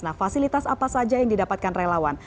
nah fasilitas apa saja yang didapatkan relawan